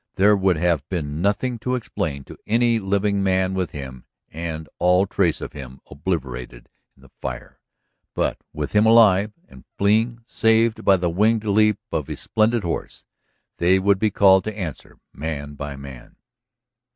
There would have been nothing to explain to any living man with him and all trace of him obliterated in the fire, but with him alive and fleeing, saved by the winged leap of his splendid horse, they would be called to answer, man by man.